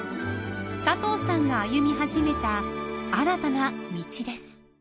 佐藤さんが歩み始めた新たな道です。